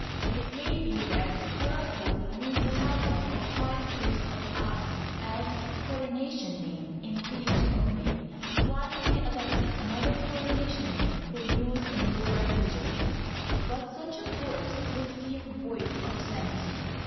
It may be that Henhor used the title of high priest of Amon as coronatiofi name in Thebes only, while he adopted another coronation name for use in Lower Egypt ; but such a course would seem void of sense.